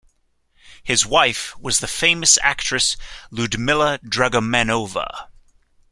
His wife was the famous actress Ludmila Dragomanova.